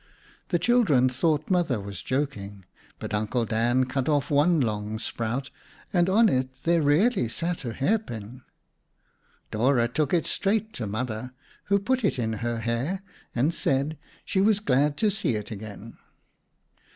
The children thought Mother was joking, but Uncle Dan cut off one long sprout and on it, there really sat a hairpin. Dora took it straight to Mother who put it in her hair and said she was glad to see it again.